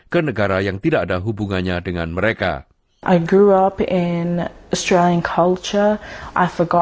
dan sekarang saya pergi ke universitas